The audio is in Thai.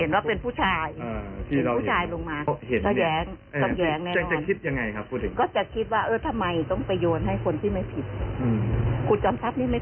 ครูจอมทรัพย์นี้ไม่ผิดนะ